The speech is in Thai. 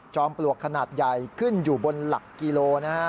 ปลวกขนาดใหญ่ขึ้นอยู่บนหลักกิโลนะฮะ